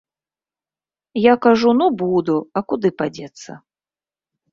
Я кажу, ну буду, а куды падзецца.